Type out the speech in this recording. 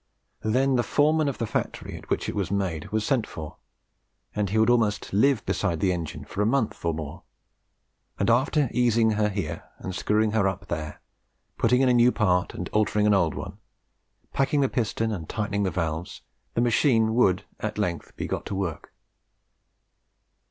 Then the foreman of the factory at which it was made was sent for, and he would almost live beside the engine for a month or more; and after easing her here and screwing her up there, putting in a new part and altering an old one, packing the piston and tightening the valves, the machine would at length begot to work.